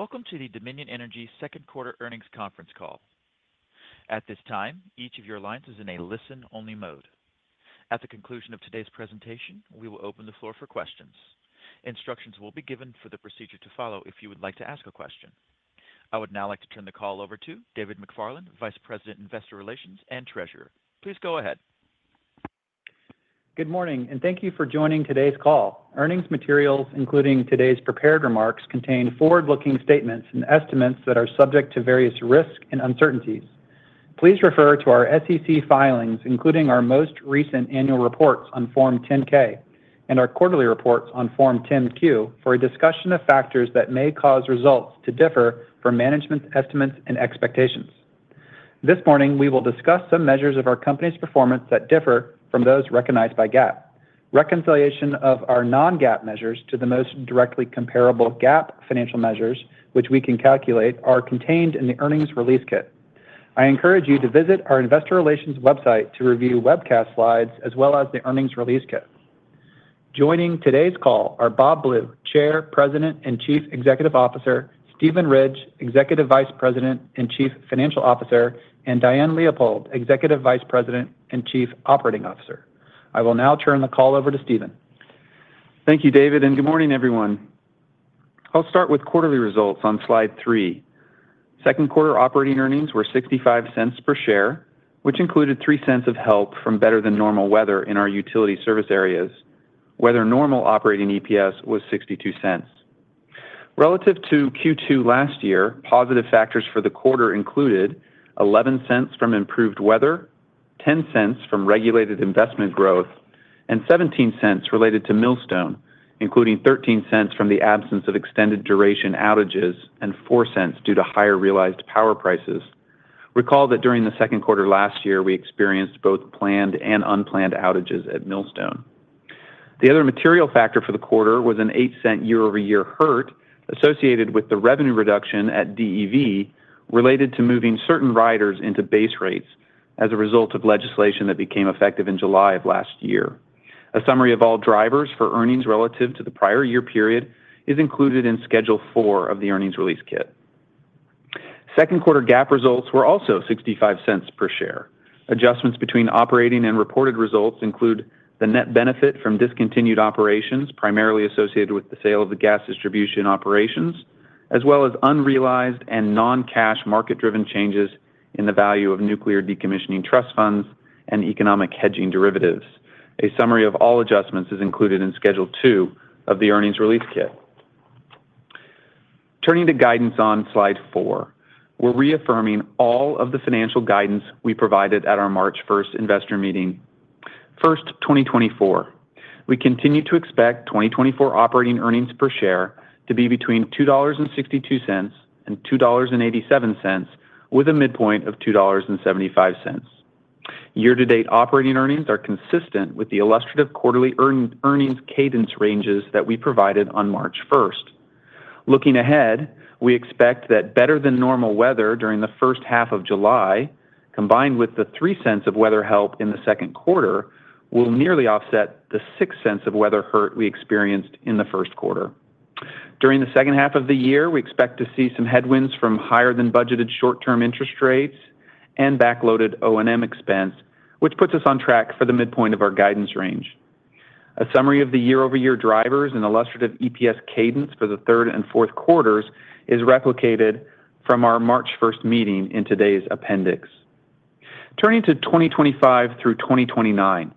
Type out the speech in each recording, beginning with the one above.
Welcome to the Dominion Energy's Second Quarter Earnings Conference Call. At this time, each of your lines is in a listen-only mode. At the conclusion of today's presentation, we will open the floor for questions. Instructions will be given for the procedure to follow if you would like to ask a question. I would now like to turn the call over to David McFarland, Vice President, Investor Relations and Treasurer. Please go ahead. Good morning, and thank you for joining today's call. Earnings materials, including today's prepared remarks, contain forward-looking statements and estimates that are subject to various risks and uncertainties. Please refer to our SEC filings, including our most recent annual reports on Form 10-K and our quarterly reports on Form 10-Q, for a discussion of factors that may cause results to differ from management's estimates and expectations. This morning, we will discuss some measures of our company's performance that differ from those recognized by GAAP. Reconciliation of our non-GAAP measures to the most directly comparable GAAP financial measures, which we can calculate, are contained in the earnings release kit. I encourage you to visit our Investor Relations website to review webcast slides as well as the earnings release kit. Joining today's call are Bob Blue, Chair, President, and Chief Executive Officer, Steven Ridge, Executive Vice President and Chief Financial Officer, and Diane Leopold, Executive Vice President and Chief Operating Officer. I will now turn the call over to Steven. Thank you, David, and good morning, everyone. I'll start with quarterly results on slide 3. Second quarter operating earnings were $0.65 per share, which included $0.03 of help from better than normal weather in our utility service areas. Weather normal operating EPS was $0.62. Relative to Q2 last year, positive factors for the quarter included $0.11 from improved weather, $0.10 from regulated investment growth, and $0.17 related to Millstone, including $0.13 from the absence of extended duration outages and $0.04 due to higher realized power prices. Recall that during the second quarter last year, we experienced both planned and unplanned outages at Millstone. The other material factor for the quarter was an $0.08 year-over-year hurt associated with the revenue reduction at DEV related to moving certain riders into base rates as a result of legislation that became effective in July of last year. A summary of all drivers for earnings relative to the prior year period is included in schedule 4 of the earnings release kit. Second quarter GAAP results were also $0.65 per share. Adjustments between operating and reported results include the net benefit from discontinued operations primarily associated with the sale of the gas distribution operations, as well as unrealized and non-cash market-driven changes in the value of nuclear decommissioning trust funds and economic hedging derivatives. A summary of all adjustments is included in schedule 2 of the earnings release kit. Turning to guidance on slide 4, we're reaffirming all of the financial guidance we provided at our March 1st investor meeting. For 2024, we continue to expect 2024 operating earnings per share to be between $2.62 and $2.87, with a midpoint of $2.75. Year-to-date operating earnings are consistent with the illustrative quarterly earnings cadence ranges that we provided on March 1st. Looking ahead, we expect that better than normal weather during the first half of July, combined with the $0.03 of weather help in the second quarter, will nearly offset the $0.06 of weather hurt we experienced in the first quarter. During the second half of the year, we expect to see some headwinds from higher than budgeted short-term interest rates and backloaded O&M expense, which puts us on track for the midpoint of our guidance range. A summary of the year-over-year drivers and illustrative EPS cadence for the third and fourth quarters is replicated from our March 1st meeting in today's appendix. Turning to 2025 through 2029,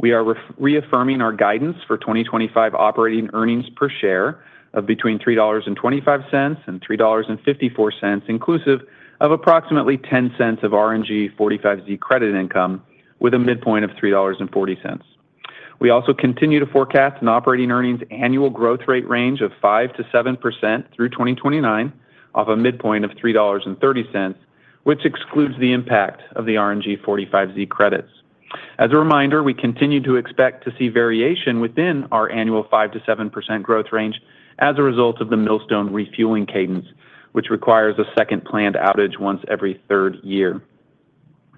we are reaffirming our guidance for 2025 operating earnings per share of between $3.25 and $3.54, inclusive of approximately $0.10 of RNG 45Z credit income, with a midpoint of $3.40. We also continue to forecast an operating earnings annual growth rate range of 5%-7% through 2029, off a midpoint of $3.30, which excludes the impact of the RNG 45Z credits. As a reminder, we continue to expect to see variation within our annual 5%-7% growth range as a result of the Millstone refueling cadence, which requires a second planned outage once every third year.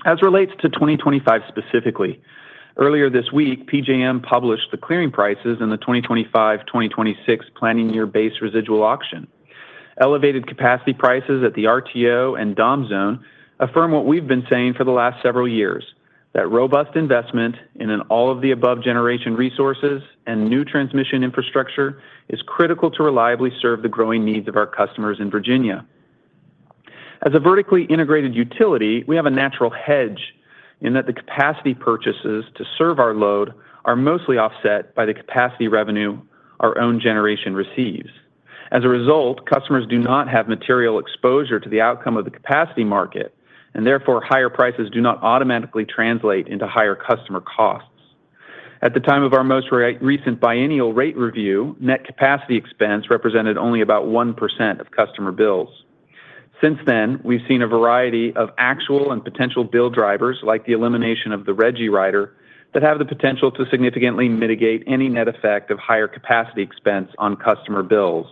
As it relates to 2025 specifically, earlier this week, PJM published the clearing prices in the 2025-2026 planning year base residual auction. Elevated capacity prices at the RTO and DOM zone affirm what we've been saying for the last several years: that robust investment in all of the above-generation resources and new transmission infrastructure is critical to reliably serve the growing needs of our customers in Virginia. As a vertically integrated utility, we have a natural hedge in that the capacity purchases to serve our load are mostly offset by the capacity revenue our own generation receives. As a result, customers do not have material exposure to the outcome of the capacity market, and therefore higher prices do not automatically translate into higher customer costs. At the time of our most recent biennial rate review, net capacity expense represented only about 1% of customer bills. Since then, we've seen a variety of actual and potential bill drivers, like the elimination of the RGGI rider, that have the potential to significantly mitigate any net effect of higher capacity expense on customer bills.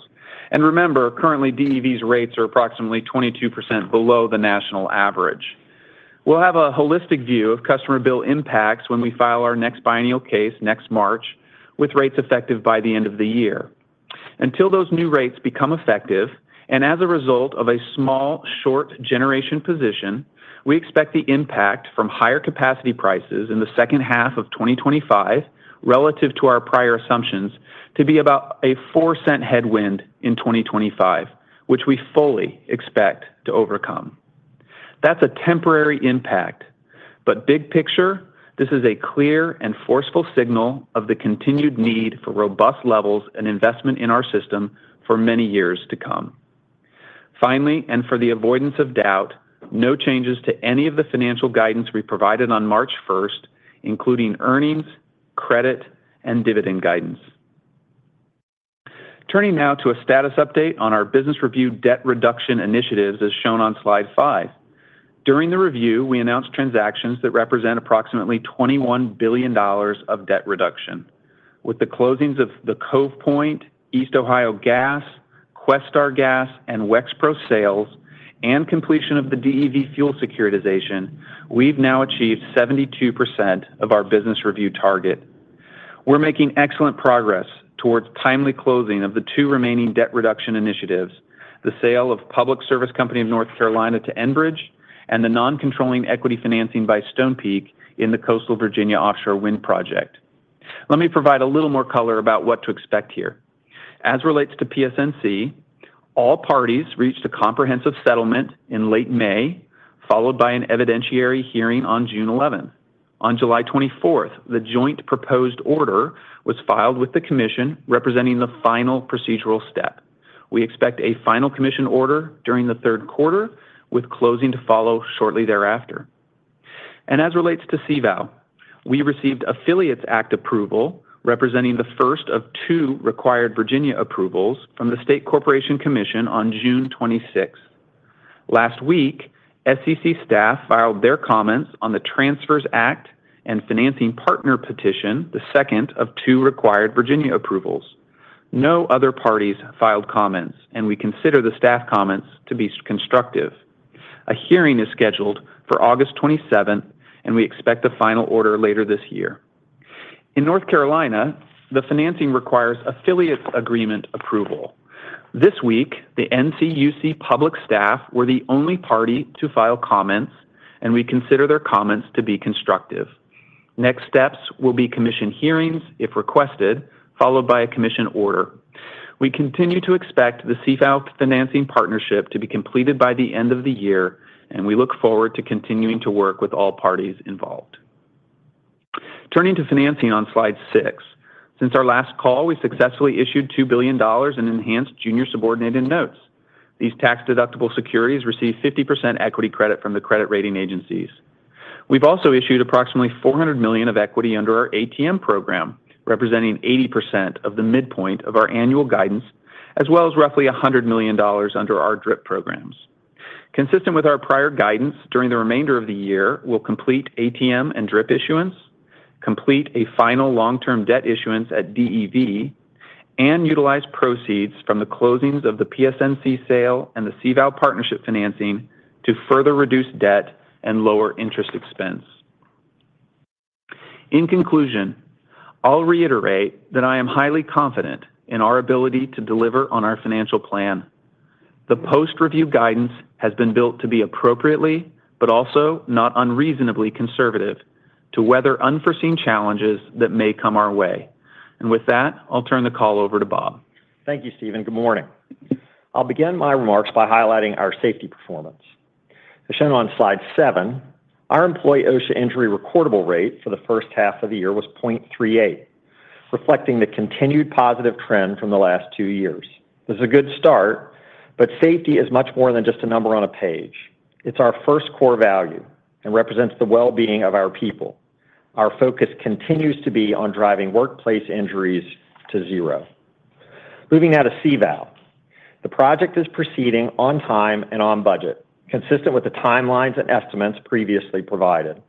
And remember, currently DEV's rates are approximately 22% below the national average. We'll have a holistic view of customer bill impacts when we file our next biennial case next March, with rates effective by the end of the year. Until those new rates become effective and as a result of a small short-generation position, we expect the impact from higher capacity prices in the second half of 2025, relative to our prior assumptions, to be about a $0.04 headwind in 2025, which we fully expect to overcome. That's a temporary impact, but big picture, this is a clear and forceful signal of the continued need for robust levels and investment in our system for many years to come. Finally, and for the avoidance of doubt, no changes to any of the financial guidance we provided on March 1st, including earnings, credit, and dividend guidance. Turning now to a status update on our business review debt reduction initiatives, as shown on slide 5. During the review, we announced transactions that represent approximately $21 billion of debt reduction. With the closings of the Cove Point, East Ohio Gas, Questar Gas, and Wexpro sales, and completion of the DEV fuel securitization, we've now achieved 72% of our business review target. We're making excellent progress towards timely closing of the two remaining debt reduction initiatives: the sale of Public Service Company of North Carolina to Enbridge, and the non-controlling equity financing by Stonepeak in the Coastal Virginia Offshore Wind Project. Let me provide a little more color about what to expect here. As it relates to PSNC, all parties reached a comprehensive settlement in late May, followed by an evidentiary hearing on June 11th. On July 24th, the joint proposed order was filed with the commission, representing the final procedural step. We expect a final commission order during the third quarter, with closing to follow shortly thereafter. As it relates to CVOW, we received Affiliates Act approval, representing the first of two required Virginia approvals from the State Corporation Commission on June 26th. Last week, SEC staff filed their comments on the Transfers Act and Financing Partner petition, the second of two required Virginia approvals. No other parties filed comments, and we consider the staff comments to be constructive. A hearing is scheduled for August 27th, and we expect a final order later this year. In North Carolina, the financing requires affiliate agreement approval. This week, the NCUC public staff were the only party to file comments, and we consider their comments to be constructive. Next steps will be commission hearings, if requested, followed by a commission order. We continue to expect the CVOW financing partnership to be completed by the end of the year, and we look forward to continuing to work with all parties involved. Turning to financing on slide 6, since our last call, we successfully issued $2 billion in enhanced junior subordinated notes. These tax-deductible securities receive 50% equity credit from the credit rating agencies. We've also issued approximately $400 million of equity under our ATM program, representing 80% of the midpoint of our annual guidance, as well as roughly $100 million under our DRIP programs. Consistent with our prior guidance, during the remainder of the year, we'll complete ATM and DRIP issuance, complete a final long-term debt issuance at DEV, and utilize proceeds from the closings of the PSNC sale and the CVOW partnership financing to further reduce debt and lower interest expense. In conclusion, I'll reiterate that I am highly confident in our ability to deliver on our financial plan. The post-review guidance has been built to be appropriately, but also not unreasonably conservative, to weather unforeseen challenges that may come our way. And with that, I'll turn the call over to Bob. Thank you, Steven. Good morning. I'll begin my remarks by highlighting our safety performance. As shown on slide 7, our employee OSHA injury recordable rate for the first half of the year was 0.38, reflecting the continued positive trend from the last two years. This is a good start, but safety is much more than just a number on a page. It's our first core value and represents the well-being of our people. Our focus continues to be on driving workplace injuries to zero. Moving now to CVOW. The project is proceeding on time and on budget, consistent with the timelines and estimates previously provided.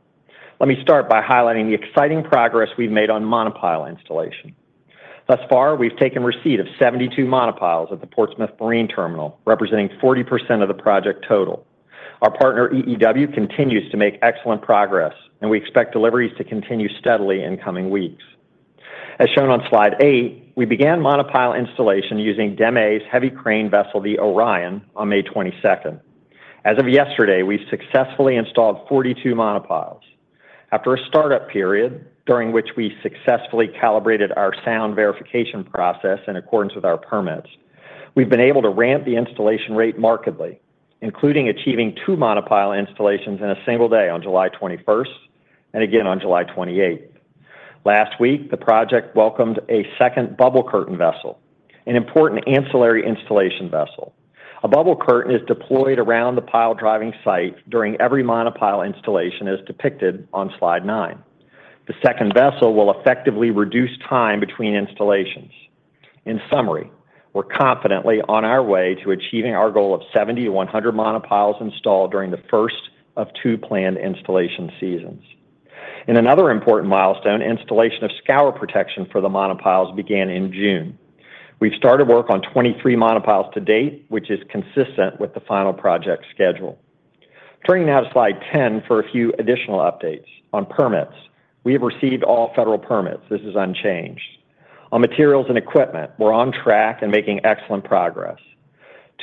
Let me start by highlighting the exciting progress we've made on monopile installation. Thus far, we've taken receipt of 72 monopiles at the Portsmouth Marine Terminal, representing 40% of the project total. Our partner EEW continues to make excellent progress, and we expect deliveries to continue steadily in coming weeks. As shown on slide 8, we began monopile installation using DEME's heavy crane vessel, the Orion, on May 22nd. As of yesterday, we've successfully installed 42 monopiles. After a startup period, during which we successfully calibrated our sound verification process in accordance with our permits, we've been able to ramp the installation rate markedly, including achieving two monopile installations in a single day on July 21st and again on July 28th. Last week, the project welcomed a second bubble curtain vessel, an important ancillary installation vessel. A bubble curtain is deployed around the pile driving site during every monopile installation, as depicted on slide 9. The second vessel will effectively reduce time between installations. In summary, we're confidently on our way to achieving our goal of 70-100 monopiles installed during the first of two planned installation seasons. In another important milestone, installation of scour protection for the monopiles began in June. We've started work on 23 monopiles to date, which is consistent with the final project schedule. Turning now to slide 10 for a few additional updates. On permits, we have received all federal permits. This is unchanged. On materials and equipment, we're on track and making excellent progress.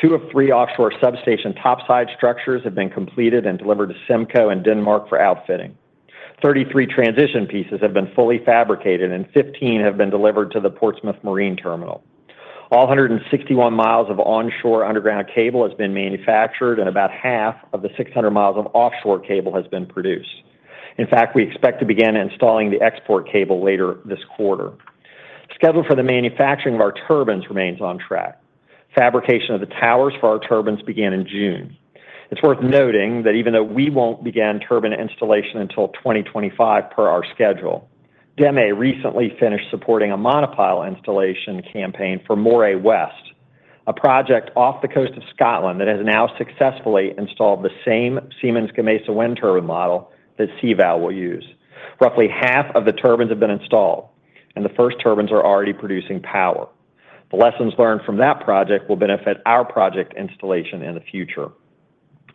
Two of three offshore substation topside structures have been completed and delivered to Semco and Denmark for outfitting. 33 transition pieces have been fully fabricated, and 15 have been delivered to the Portsmouth Marine Terminal. All 161 miles of onshore underground cable has been manufactured, and about half of the 600 miles of offshore cable has been produced. In fact, we expect to begin installing the export cable later this quarter. Schedule for the manufacturing of our turbines remains on track. Fabrication of the towers for our turbines began in June. It's worth noting that even though we won't begin turbine installation until 2025 per our schedule, DEME recently finished supporting a monopile installation campaign for Moray West, a project off the coast of Scotland that has now successfully installed the same Siemens Gamesa wind turbine model that CVOW will use. Roughly half of the turbines have been installed, and the first turbines are already producing power. The lessons learned from that project will benefit our project installation in the future.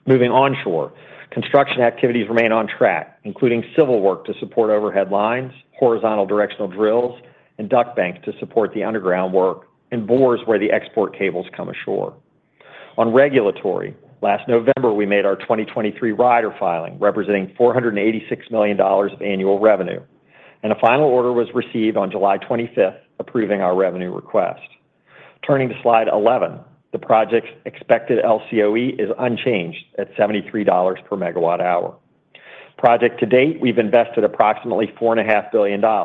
Moving onshore, construction activities remain on track, including civil work to support overhead lines, horizontal directional drills, and duct banks to support the underground work, and bores where the export cables come ashore. On regulatory, last November, we made our 2023 rider filing, representing $486 million of annual revenue. A final order was received on July 25th, approving our revenue request. Turning to slide 11, the project's expected LCOE is unchanged at $73 MWh. Project to date, we've invested approximately $4.5 billion and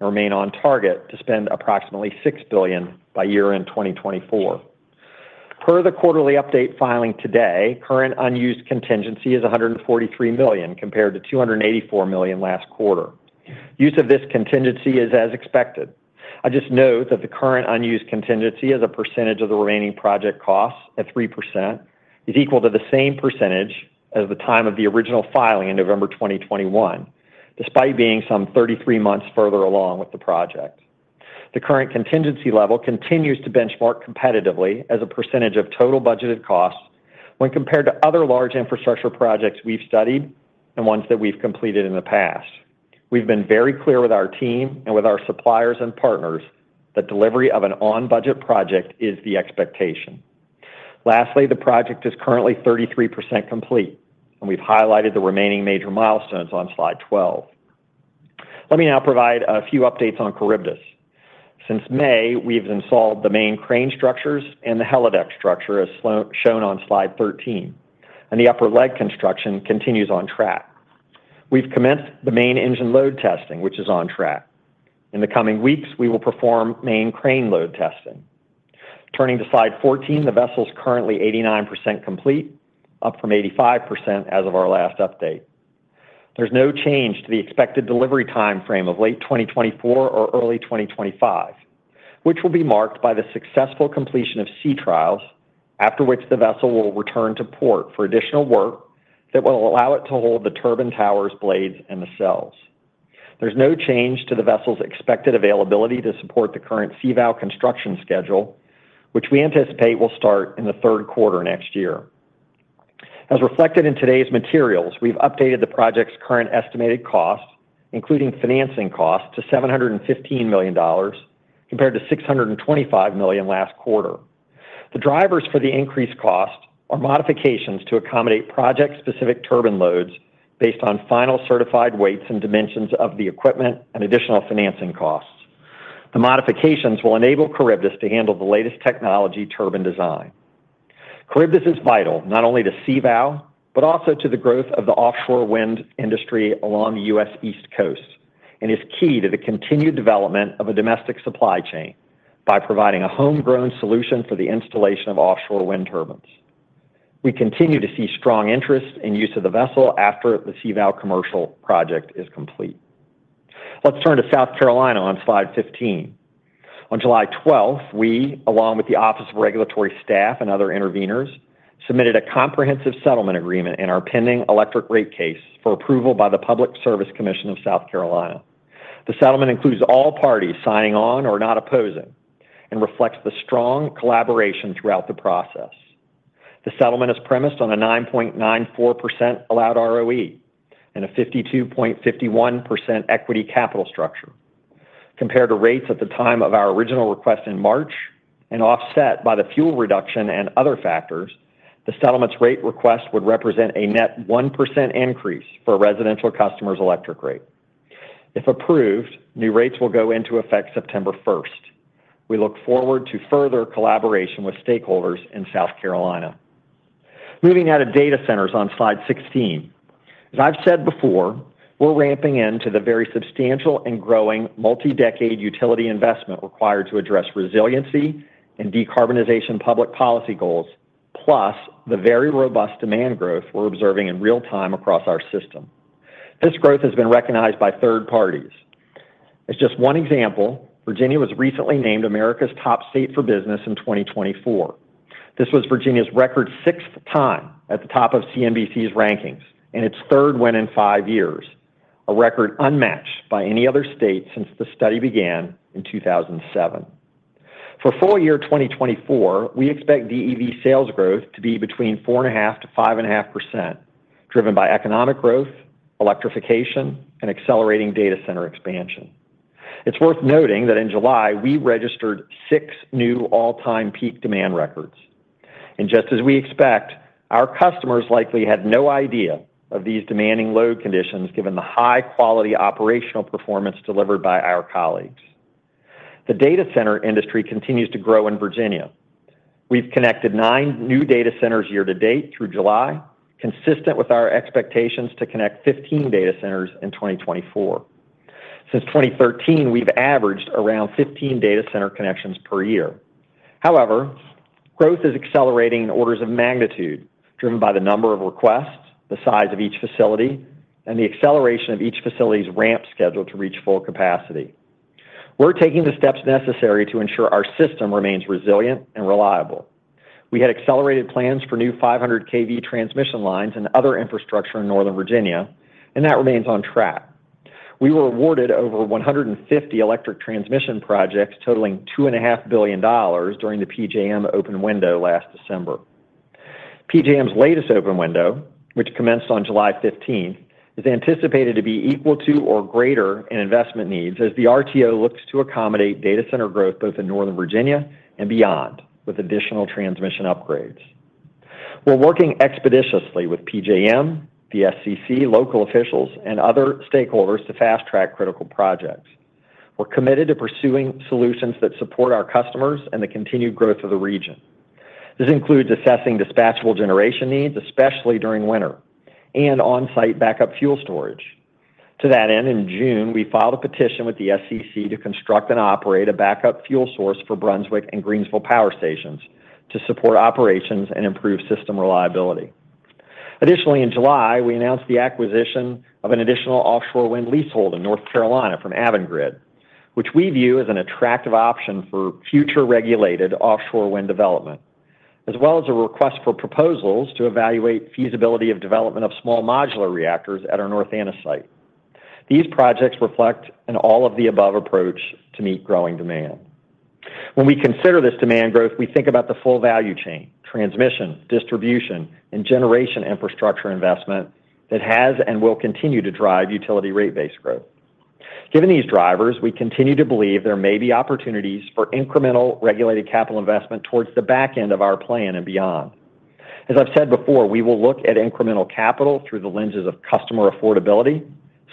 remain on target to spend approximately $6 billion by year-end 2024. Per the quarterly update filing today, current unused contingency is $143 million compared to $284 million last quarter. Use of this contingency is as expected. I just note that the current unused contingency is a percentage of the remaining project costs at 3%, is equal to the same percentage as the time of the original filing in November 2021, despite being some 33 months further along with the project. The current contingency level continues to benchmark competitively as a percentage of total budgeted costs when compared to other large infrastructure projects we've studied and ones that we've completed in the past. We've been very clear with our team and with our suppliers and partners that delivery of an on-budget project is the expectation. Lastly, the project is currently 33% complete, and we've highlighted the remaining major milestones on slide 12. Let me now provide a few updates on Charybdis. Since May, we've installed the main crane structures and the helideck structure, as shown on slide 13, and the upper leg construction continues on track. We've commenced the main engine load testing, which is on track. In the coming weeks, we will perform main crane load testing. Turning to slide 14, the vessel's currently 89% complete, up from 85% as of our last update. There's no change to the expected delivery timeframe of late 2024 or early 2025, which will be marked by the successful completion of sea trials, after which the vessel will return to port for additional work that will allow it to hold the turbine towers, blades, and nacelles. There's no change to the vessel's expected availability to support the current CVOW construction schedule, which we anticipate will start in the third quarter next year. As reflected in today's materials, we've updated the project's current estimated cost, including financing costs, to $715 million compared to $625 million last quarter. The drivers for the increased cost are modifications to accommodate project-specific turbine loads based on final certified weights and dimensions of the equipment and additional financing costs. The modifications will enable Charybdis to handle the latest technology turbine design. Charybdis is vital not only to CVOW, but also to the growth of the offshore wind industry along the U.S. East Coast, and is key to the continued development of a domestic supply chain by providing a homegrown solution for the installation of offshore wind turbines. We continue to see strong interest in use of the vessel after the CVOW commercial project is complete. Let's turn to South Carolina on slide 15. On July 12th, we, along with the Office of Regulatory Staff and other interveners, submitted a comprehensive settlement agreement in our pending electric rate case for approval by the Public Service Commission of South Carolina. The settlement includes all parties signing on or not opposing and reflects the strong collaboration throughout the process. The settlement is premised on a 9.94% allowed ROE and a 52.51% equity capital structure. Compared to rates at the time of our original request in March, and offset by the fuel reduction and other factors, the settlement's rate request would represent a net 1% increase for residential customers' electric rate. If approved, new rates will go into effect September 1st. We look forward to further collaboration with stakeholders in South Carolina. Moving now to data centers on slide 16. As I've said before, we're ramping into the very substantial and growing multi-decade utility investment required to address resiliency and decarbonization public policy goals, plus the very robust demand growth we're observing in real time across our system. This growth has been recognized by third parties. As just one example, Virginia was recently named America's top state for business in 2024. This was Virginia's record 6x at the top of CNBC's rankings, and its third win in five years, a record unmatched by any other state since the study began in 2007. For full year 2024, we expect DEV sales growth to be between 4.5%-5.5%, driven by economic growth, electrification, and accelerating data center expansion. It's worth noting that in July, we registered six new all-time peak demand records. Just as we expect, our customers likely had no idea of these demanding load conditions given the high-quality operational performance delivered by our colleagues. The data center industry continues to grow in Virginia. We've connected nine new data centers year-to-date through July, consistent with our expectations to connect 15 data centers in 2024. Since 2013, we've averaged around 15 data center connections per year. However, growth is accelerating in orders of magnitude, driven by the number of requests, the size of each facility, and the acceleration of each facility's ramp schedule to reach full capacity. We're taking the steps necessary to ensure our system remains resilient and reliable. We had accelerated plans for new 500 kV transmission lines and other infrastructure in Northern Virginia, and that remains on track. We were awarded over 150 electric transmission projects totaling $2.5 billion during the PJM open window last December. PJM's latest open window, which commenced on July 15th, is anticipated to be equal to or greater in investment needs as the RTO looks to accommodate data center growth both in Northern Virginia and beyond with additional transmission upgrades. We're working expeditiously with PJM, the SCC, local officials, and other stakeholders to fast-track critical projects. We're committed to pursuing solutions that support our customers and the continued growth of the region. This includes assessing dispatchable generation needs, especially during winter, and on-site backup fuel storage. To that end, in June, we filed a petition with the SCC to construct and operate a backup fuel source for Brunswick and Greensville power stations to support operations and improve system reliability. Additionally, in July, we announced the acquisition of an additional offshore wind leasehold in North Carolina from Avangrid, which we view as an attractive option for future regulated offshore wind development, as well as a request for proposals to evaluate feasibility of development of small modular reactors at our North Anna site. These projects reflect an all-of-the-above approach to meet growing demand. When we consider this demand growth, we think about the full value chain, transmission, distribution, and generation infrastructure investment that has and will continue to drive utility rate-based growth. Given these drivers, we continue to believe there may be opportunities for incremental regulated capital investment towards the back end of our plan and beyond. As I've said before, we will look at incremental capital through the lenses of customer affordability,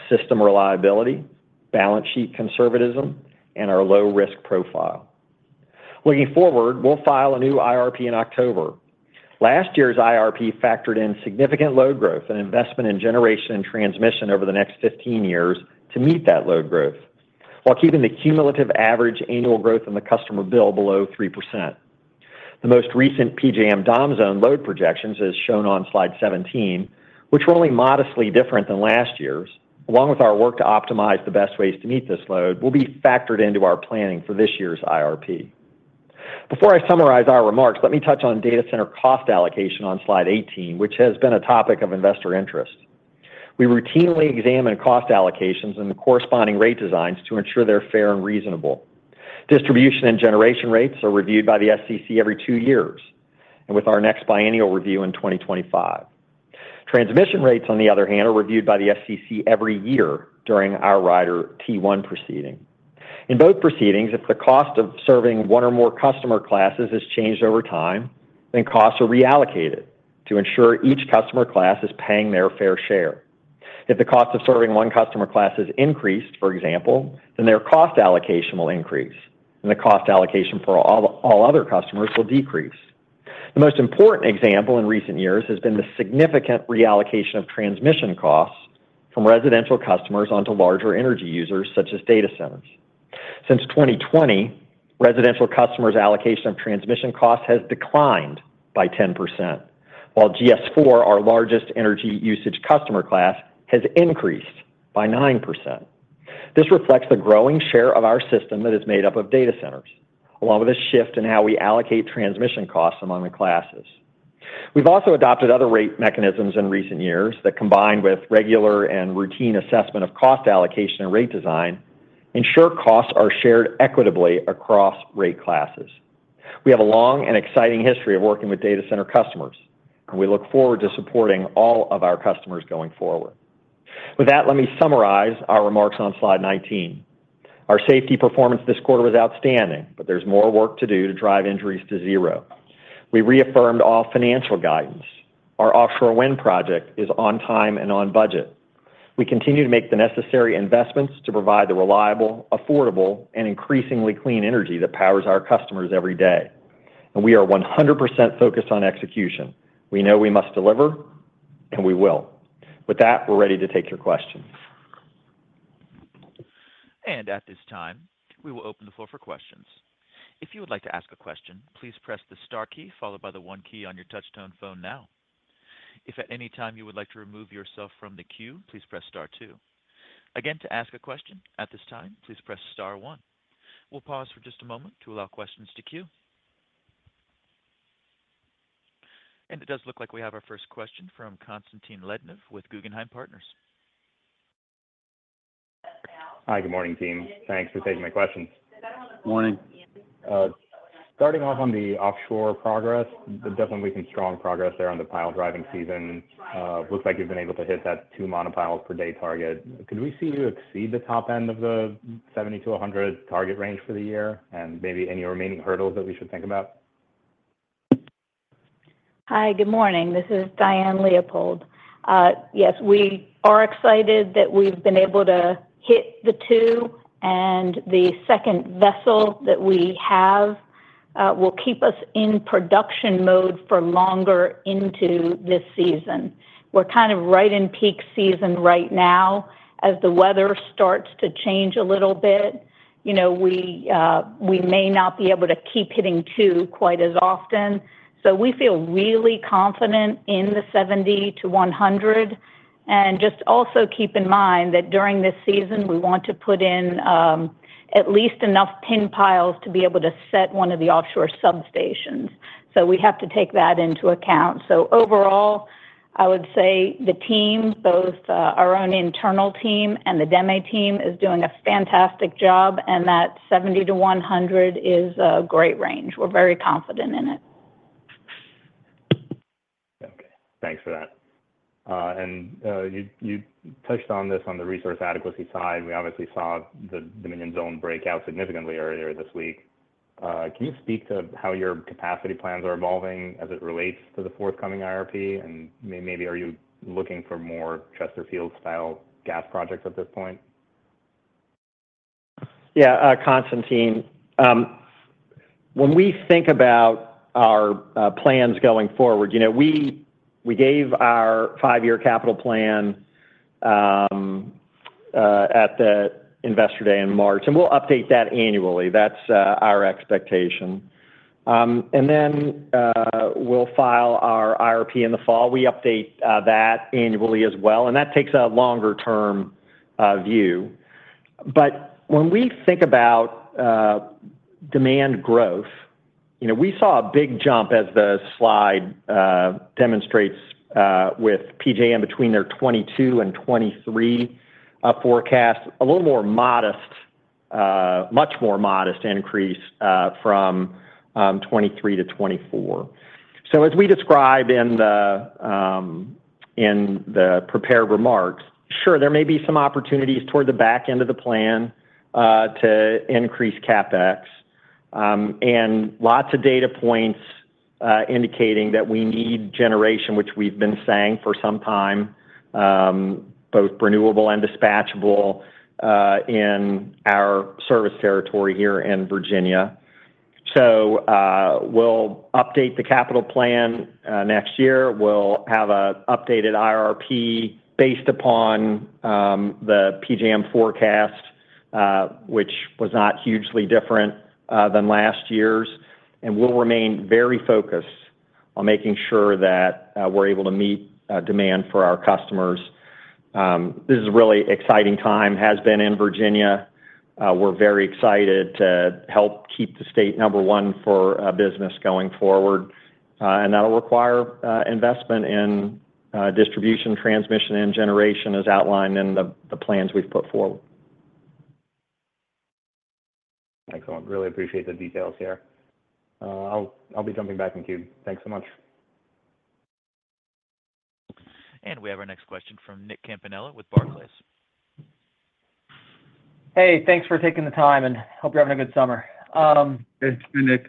system reliability, balance sheet conservatism, and our low-risk profile. Looking forward, we'll file a new IRP in October. Last year's IRP factored in significant load growth and investment in generation and transmission over the next 15 years to meet that load growth, while keeping the cumulative average annual growth in the customer bill below 3%. The most recent PJM DOM zone load projections, as shown on slide 17, which were only modestly different than last year's, along with our work to optimize the best ways to meet this load, will be factored into our planning for this year's IRP. Before I summarize our remarks, let me touch on data center cost allocation on slide 18, which has been a topic of investor interest. We routinely examine cost allocations and the corresponding rate designs to ensure they're fair and reasonable. Distribution and generation rates are reviewed by the SCC every two years, and with our next biennial review in 2025. Transmission rates, on the other hand, are reviewed by the SCC every year during our Rider T1 proceeding. In both proceedings, if the cost of serving one or more customer classes has changed over time, then costs are reallocated to ensure each customer class is paying their fair share. If the cost of serving one customer class has increased, for example, then their cost allocation will increase, and the cost allocation for all other customers will decrease. The most important example in recent years has been the significant reallocation of transmission costs from residential customers onto larger energy users such as data centers. Since 2020, residential customers' allocation of transmission costs has declined by 10%, while GS-4, our largest energy usage customer class, has increased by 9%. This reflects the growing share of our system that is made up of data centers, along with a shift in how we allocate transmission costs among the classes. We've also adopted other rate mechanisms in recent years that, combined with regular and routine assessment of cost allocation and rate design, ensure costs are shared equitably across rate classes. We have a long and exciting history of working with data center customers, and we look forward to supporting all of our customers going forward. With that, let me summarize our remarks on slide 19. Our safety performance this quarter was outstanding, but there's more work to do to drive injuries to zero. We reaffirmed all financial guidance. Our offshore wind project is on time and on budget. We continue to make the necessary investments to provide the reliable, affordable, and increasingly clean energy that powers our customers every day. And we are 100% focused on execution. We know we must deliver, and we will. With that, we're ready to take your questions. At this time, we will open the floor for questions. If you would like to ask a question, please press the star key followed by the one key on your touch-tone phone now. If at any time you would like to remove yourself from the queue, please press star two. Again, to ask a question, at this time, please press star one. We'll pause for just a moment to allow questions to queue. And it does look like we have our first question from Constantine Lednev with Guggenheim Partners. Hi, good morning, team. Thanks for taking my questions. Morning. Starting off on the offshore progress, there's definitely some strong progress there on the pile driving season. Looks like you've been able to hit that 2 monopiles per day target. Could we see you exceed the top end of the 70-100 target range for the year and maybe any remaining hurdles that we should think about? Hi, good morning. This is Diane Leopold. Yes, we are excited that we've been able to hit the 2, and the second vessel that we have will keep us in production mode for longer into this season. We're kind of right in peak season right now as the weather starts to change a little bit. We may not be able to keep hitting 2 quite as often, so we feel really confident in the 70-100. And just also keep in mind that during this season, we want to put in at least enough pin piles to be able to set 1 of the offshore substations. So we have to take that into account. So overall, I would say the team, both our own internal team and the DEME team, is doing a fantastic job, and that 70-100 is a great range. We're very confident in it. Okay. Thanks for that. And you touched on this on the resource adequacy side. We obviously saw the Dominion Zone break out significantly earlier this week. Can you speak to how your capacity plans are evolving as it relates to the forthcoming IRP? And maybe are you looking for more Chesterfield-style gas projects at this point? Yeah, Constantin. When we think about our plans going forward, we gave our 5-year capital plan at the investor day in March, and we'll update that annually. That's our expectation. And then we'll file our IRP in the fall. We update that annually as well, and that takes a longer-term view. But when we think about demand growth, we saw a big jump as the slide demonstrates with PJM between their 2022 and 2023 forecast, a little more modest, much more modest increase from 2023 to 2024. So as we described in the prepared remarks, sure, there may be some opportunities toward the back end of the plan to increase CapEx and lots of data points indicating that we need generation, which we've been saying for some time, both renewable and dispatchable in our service territory here in Virginia. So we'll update the capital plan next year. We'll have an updated IRP based upon the PJM forecast, which was not hugely different than last year's, and we'll remain very focused on making sure that we're able to meet demand for our customers. This is a really exciting time, has been in Virginia. We're very excited to help keep the state number one for business going forward, and that'll require investment in distribution, transmission, and generation as outlined in the plans we've put forward. Excellent. Really appreciate the details here. I'll be jumping back in queue. Thanks so much. And we have our next question from Nick Campanella with Barclays. Hey, thanks for taking the time, and hope you're having a good summer. Thanks, Nick.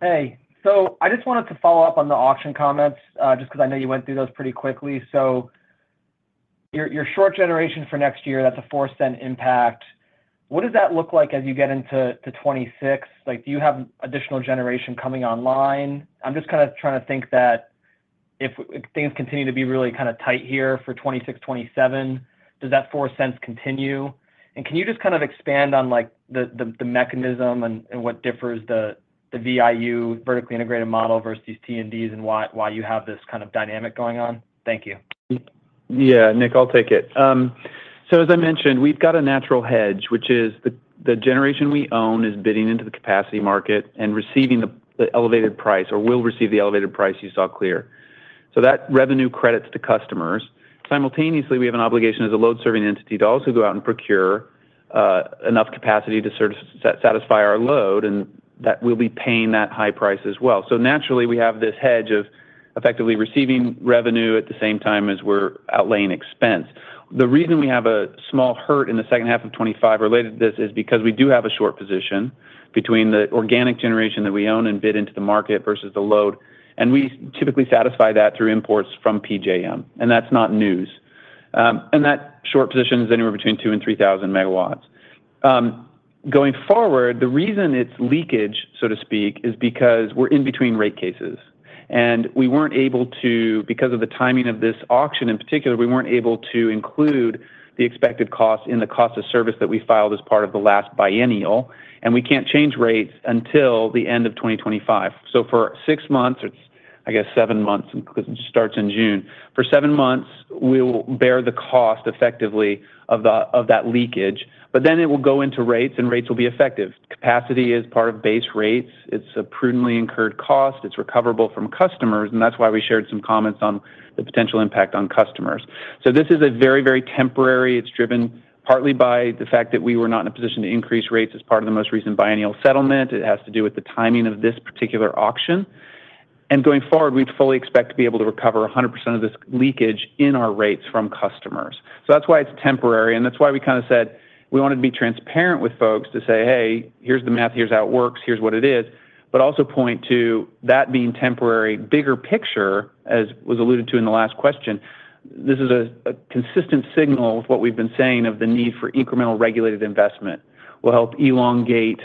Hey. So I just wanted to follow up on the auction comments just because I know you went through those pretty quickly. So your short generation for next year, that's a $0.04 impact. What does that look like as you get into 2026? Do you have additional generation coming online? I'm just kind of trying to think that if things continue to be really kind of tight here for 2026, 2027, does that $0.04 continue? And can you just kind of expand on the mechanism and what differs the VIU vertically integrated model versus these T&Ds and why you have this kind of dynamic going on? Thank you. Yeah, Nick, I'll take it. So as I mentioned, we've got a natural hedge, which is the generation we own is bidding into the capacity market and receiving the elevated price or will receive the elevated price you saw clear. So that revenue credits to customers. Simultaneously, we have an obligation as a load-serving entity to also go out and procure enough capacity to satisfy our load, and that we'll be paying that high price as well. So naturally, we have this hedge of effectively receiving revenue at the same time as we're outlaying expense. The reason we have a small hurt in the second half of 2025 related to this is because we do have a short position between the organic generation that we own and bid into the market versus the load, and we typically satisfy that through imports from PJM, and that's not news. That short position is anywhere between 2,000 MW-3,000 MW. Going forward, the reason it's leakage, so to speak, is because we're in between rate cases, and we weren't able to, because of the timing of this auction in particular, we weren't able to include the expected cost in the cost of service that we filed as part of the last biennial, and we can't change rates until the end of 2025. So for six months, or I guess seven months, because it starts in June, for seven months, we'll bear the cost effectively of that leakage, but then it will go into rates, and rates will be effective. Capacity is part of base rates. It's a prudently incurred cost. It's recoverable from customers, and that's why we shared some comments on the potential impact on customers. So this is a very, very temporary. It's driven partly by the fact that we were not in a position to increase rates as part of the most recent biennial settlement. It has to do with the timing of this particular auction. Going forward, we fully expect to be able to recover 100% of this leakage in our rates from customers. So that's why it's temporary, and that's why we kind of said we wanted to be transparent with folks to say, "Hey, here's the math, here's how it works, here's what it is," but also point to that being temporary. Bigger picture, as was alluded to in the last question, this is a consistent signal with what we've been saying of the need for incremental regulated investment. We'll help elongate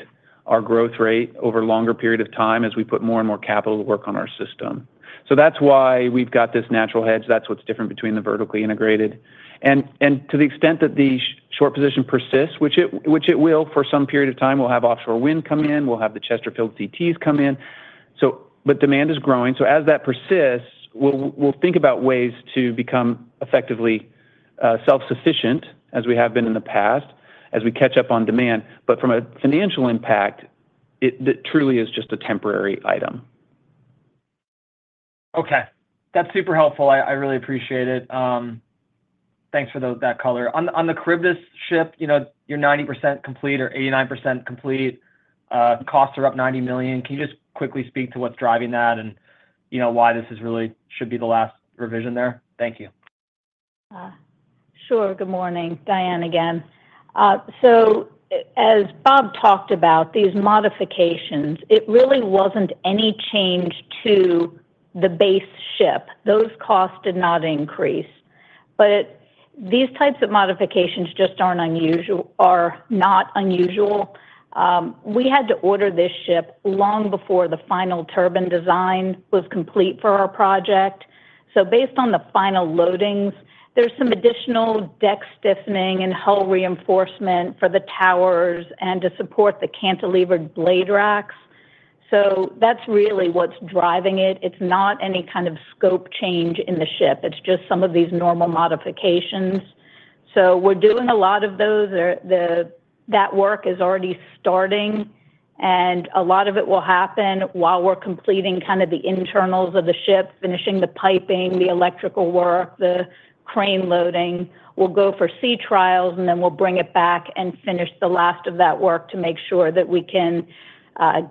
our growth rate over a longer period of time as we put more and more capital to work on our system. So that's why we've got this natural hedge. That's what's different between the vertically integrated. And to the extent that the short position persists, which it will for some period of time, we'll have offshore wind come in. We'll have the Chesterfield CTs come in. But demand is growing. So as that persists, we'll think about ways to become effectively self-sufficient as we have been in the past as we catch up on demand. But from a financial impact, it truly is just a temporary item. Okay. That's super helpful. I really appreciate it. Thanks for that color. On the Charybdis ship, you're 90% complete or 89% complete. Costs are up $90 million. Can you just quickly speak to what's driving that and why this really should be the last revision there? Thank you. Sure. Good morning. Diane again. So as Bob talked about these modifications, it really wasn't any change to the base ship. Those costs did not increase. But these types of modifications just aren't unusual or not unusual. We had to order this ship long before the final turbine design was complete for our project. So based on the final loadings, there's some additional deck stiffening and hull reinforcement for the towers and to support the cantilevered blade racks. So that's really what's driving it. It's not any kind of scope change in the ship. It's just some of these normal modifications. So we're doing a lot of those. That work is already starting, and a lot of it will happen while we're completing kind of the internals of the ship, finishing the piping, the electrical work, the crane loading. We'll go for sea trials, and then we'll bring it back and finish the last of that work to make sure that we can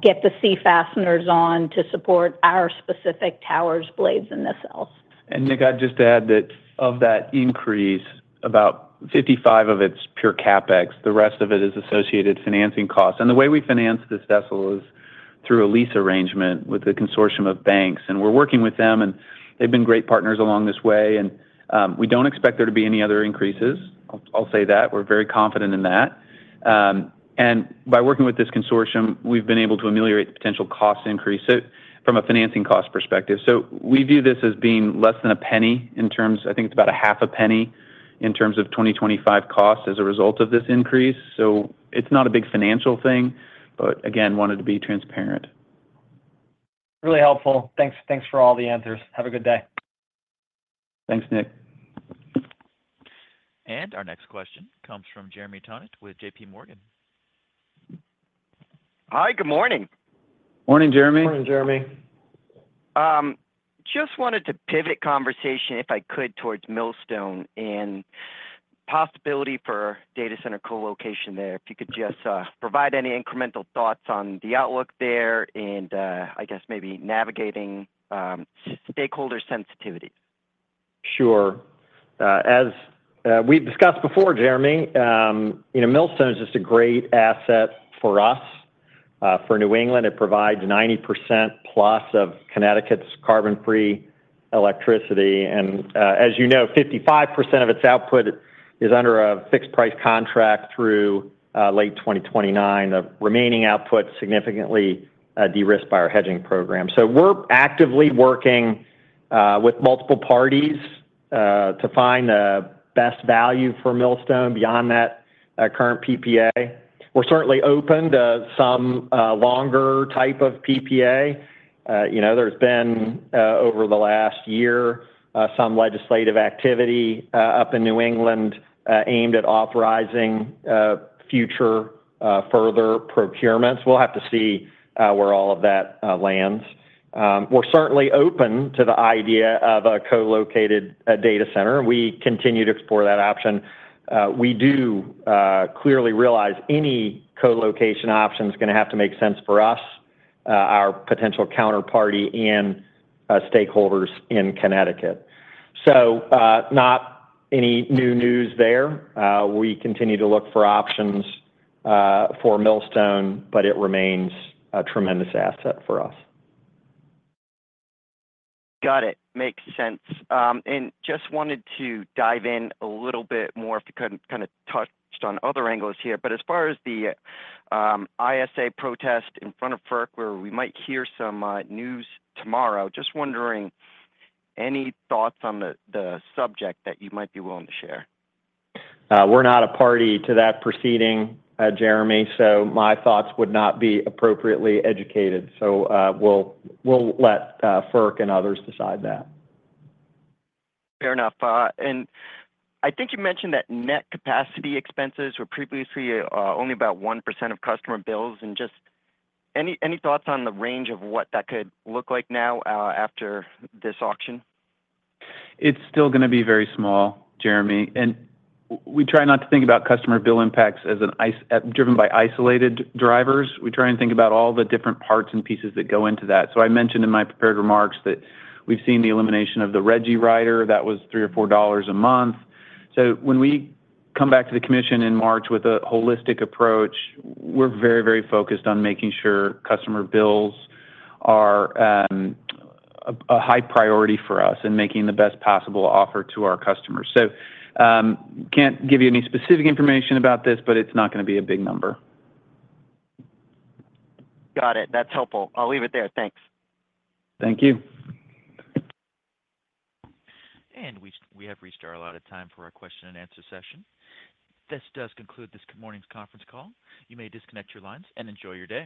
get the sea fasteners on to support our specific towers, blades, and nacelles. And Nick, I'd just add that of that increase, about $55 million of it's pure CapEx. The rest of it is associated financing costs. And the way we finance this vessel is through a lease arrangement with the Consortium of Banks, and we're working with them, and they've been great partners along this way. And we don't expect there to be any other increases. I'll say that. We're very confident in that. And by working with this Consortium, we've been able to ameliorate the potential cost increase from a financing cost perspective. So we view this as being less than $0.01. In terms, I think it's about $0.005 in terms of 2025 costs as a result of this increase. So it's not a big financial thing, but again, wanted to be transparent. Really helpful. Thanks for all the answers. Have a good day. Thanks, Nick. And our next question comes from Jeremy Tonet with J.P. Morgan. Hi, good morning. Morning, Jeremy. Morning, Jeremy. Just wanted to pivot conversation, if I could, towards Millstone and possibility for data center co-location there. If you could just provide any incremental thoughts on the outlook there and I guess maybe navigating stakeholder sensitivity? Sure. As we've discussed before, Jeremy, Millstone is just a great asset for us for New England. It provides 90%+ of Connecticut's carbon-free electricity. And as you know, 55% of its output is under a fixed-price contract through late 2029. The remaining output is significantly de-risked by our hedging program. So we're actively working with multiple parties to find the best value for Millstone beyond that current PPA. We're certainly open to some longer type of PPA. There's been, over the last year, some legislative activity up in New England aimed at authorizing future further procurements. We'll have to see where all of that lands. We're certainly open to the idea of a co-located data center. We continue to explore that option. We do clearly realize any co-location option is going to have to make sense for us, our potential counterparty, and stakeholders in Connecticut. So not any new news there. We continue to look for options for Millstone, but it remains a tremendous asset for us. Got it. Makes sense. And just wanted to dive in a little bit more if you could kind of touch on other angles here. But as far as the ISO protest in front of FERC, we might hear some news tomorrow. Just wondering, any thoughts on the subject that you might be willing to share? We're not a party to that proceeding, Jeremy, so my thoughts would not be appropriately educated. So we'll let FERC and others decide that. Fair enough. I think you mentioned that net capacity expenses were previously only about 1% of customer bills. Just any thoughts on the range of what that could look like now after this auction? It's still going to be very small, Jeremy. We try not to think about customer bill impacts as driven by isolated drivers. We try and think about all the different parts and pieces that go into that. So I mentioned in my prepared remarks that we've seen the elimination of the RGGI rider. That was $3-$4 a month. So when we come back to the commission in March with a holistic approach, we're very, very focused on making sure customer bills are a high priority for us and making the best possible offer to our customers. So, can't give you any specific information about this, but it's not going to be a big number. Got it. That's helpful. I'll leave it there. Thanks. Thank you. We have reached our allotted time for our question-and-answer session. This does conclude this morning's conference call. You may disconnect your lines and enjoy your day.